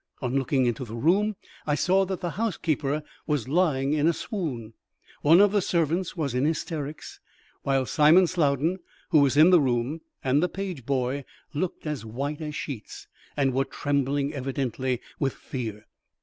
On looking into the room, I saw that the housekeeper was lying in a swoon, one of the servants was in hysterics, while Simon Slowden, who was in the room, and the page boy looked as white as sheets, and were trembling evidently with fear.